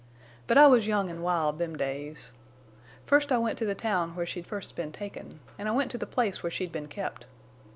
But I was young an' wild them days. First I went to the town where she'd first been taken, an' I went to the place where she'd been kept.